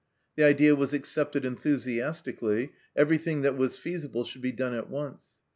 The idea was accepted enthusiastically ; everything that was feasible should be done at once.